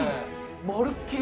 まるっきり